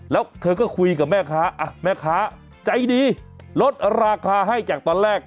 แล้วเธอก็คุยกับแม่ค้าแม่ค้าใจดีลดราคาให้จากตอนแรก